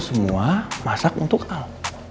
semua masak untuk al